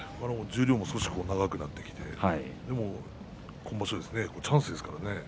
十両少し長くなってきて今場所、チャンスですね。